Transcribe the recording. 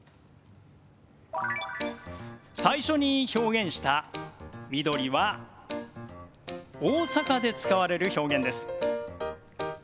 最初に表現した「みどり」は大阪で使われる表現です。